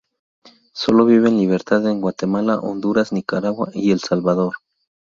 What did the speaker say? Sólo vive en libertad en Guatemala, Honduras, Nicaragua y El Salvador.